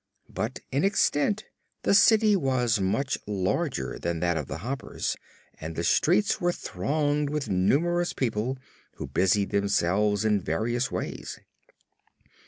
But in extent the city was much larger than that of the Hoppers and the streets were thronged with numerous people who busied themselves in various ways.